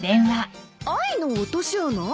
『愛の落とし穴』？